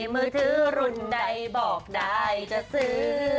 มือถือรุ่นใดบอกได้จะซื้อ